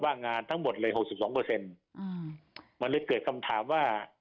ว่างงานทั้งหมดเลยหกสิบสองเปอร์เซ็นต์อืมมันเลยเกิดคำถามว่า